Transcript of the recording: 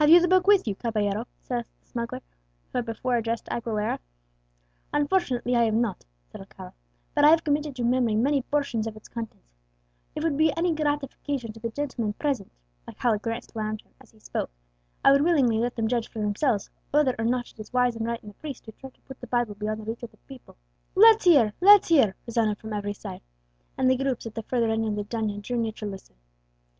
"Have you the book with you, caballero?" asked the smuggler who had before addressed Aguilera. "Unfortunately I have not," said Alcala; "but I have committed to memory many portions of its contents. If it would be any gratification to the gentlemen present," Alcala glanced around him as he spoke, "I would willingly let them judge for themselves whether or not it is wise and right in the priests to try to put the Bible beyond the reach of the people." "Let's hear, let's hear," resounded from every side, and the groups at the further end of the dungeon drew nearer to listen.